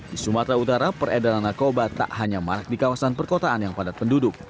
di sumatera utara peredaran narkoba tak hanya marak di kawasan perkotaan yang padat penduduk